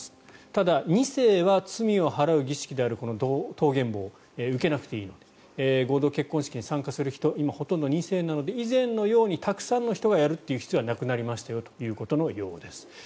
ただ、２世は罪を払う儀式であるこの蕩減棒は受けなくていい合同結婚式に参加する人は今ほとんど２世なので以前のようにたくさんの人がやる必要はなくなりましたよということのようです。